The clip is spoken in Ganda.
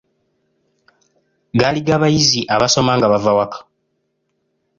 Gaali ga bayizi abasoma nga bava waka.